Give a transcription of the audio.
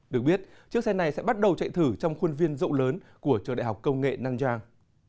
được biết chiếc xe này sẽ bắt đầu chạy thử trong khuôn viên rộng lớn của trường đại học công nghệ nang